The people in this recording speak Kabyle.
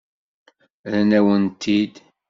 Rran-awen-t-id.